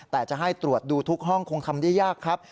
แต่จะให้ตรวจดูทุกห้องคงทำได้ยากครับ